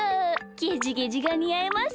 ゲジゲジがにあいますね。